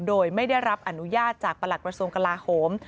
โดยไม่ได้รับอนุญาตจากประหลักกระทรวงกลาโหม